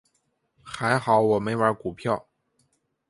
还好我没玩股票。